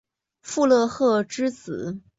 傅勒赫之子。